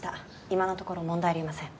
今のところ問題ありません。